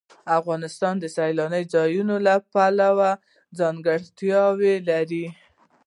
افغانستان د سیلاني ځایونو له پلوه ځانګړتیاوې لري.